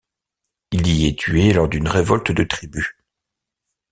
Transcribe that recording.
Il y est tué lors d'une révolte de tribus.